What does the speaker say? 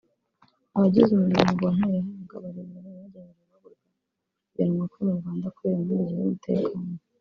Abagize umuryango wa Ntuyahaga bari i Burayi bagerageje guhagarika kujyanwa kwe mu Rwanda kubera impungenge z’umutekano